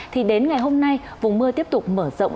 thì đến ngày hôm nay vùng mưa tiếp tục mở rộng